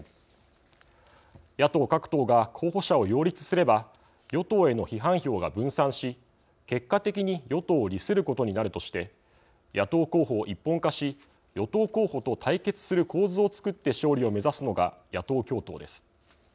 野党各党が候補者を擁立すれば与党への批判票が分散し結果的に与党を利することになるとして野党候補を一本化し与党候補と対決する構図を作って勝利を目指すのが野党共闘です。